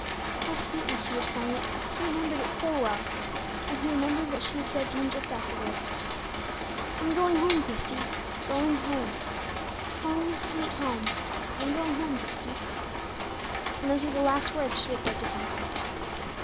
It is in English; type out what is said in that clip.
How sweetly she had sung it! he remembered it so well. And he remembered what she had said to him just afterwards, "I'm going home, Christie going home home, sweet home; I'm going home, Christie." And those were the last words she had said to him.